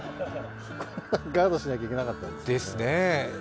こんなガードしなきゃいけなかったんですね。